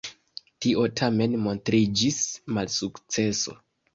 Tio tamen montriĝis malsukceso.